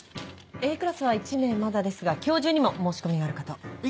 Ａクラスは１名まだですが今日中にも申し込みがあるかと。